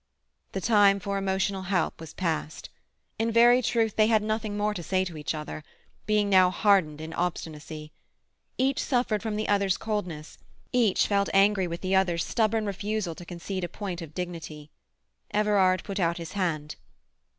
The time for emotional help was past. In very truth they had nothing more to say to each other, being now hardened in obstinacy. Each suffered from the other's coldness, each felt angry with the other's stubborn refusal to concede a point of dignity. Everard put out his hand.